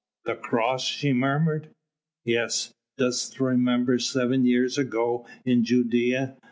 "The cross!" she murmured. "Yes! Dost remember seven years ago in Judæa?